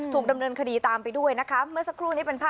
ถูกดำเนินคดีตามไปด้วยนะคะ